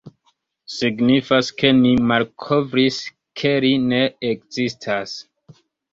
Signifas ke ni malkovris ke li ne ekzistas!”.